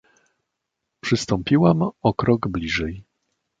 "Przystąpiłam o krok bliżej."